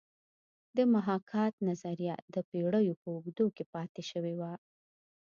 د محاکات نظریه د پیړیو په اوږدو کې پاتې شوې ده